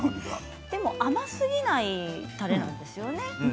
甘すぎないたれなんですよね